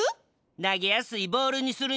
なげやすいボールにするには。